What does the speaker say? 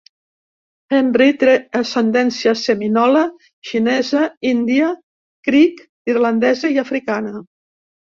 Hendry tè ascendència seminola, xinesa, índia criik, irlandesa i africana.